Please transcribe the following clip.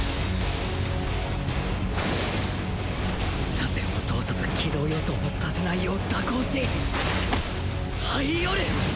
射線を通さず軌道予想もさせないよう蛇行し這い寄る！